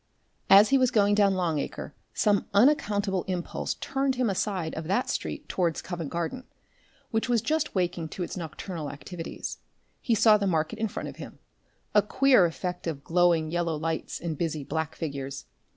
As he was going down Long Acre some unaccountable impulse turned him aside out of that street towards Covent Garden, which was just waking to its nocturnal activities. He saw the market in front of him a queer effect of glowing yellow lights and busy black figures.